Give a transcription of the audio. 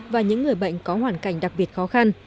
và những người bệnh có hoàn cảnh đặc biệt khó khăn